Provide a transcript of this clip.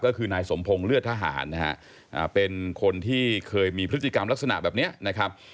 ก็คือนายสมพงศ์เลือดทหารนะฮะเป็นคนที่เคยมีพฤติกรรมลักษณะแบบนี้นะครับ